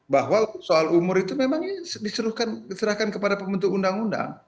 bahwa soal umur itu memang ini diserahkan kepada pembentuk undang undang